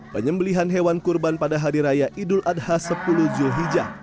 penyembelihan hewan kurban pada hari raya idul adha sepuluh zulhijjah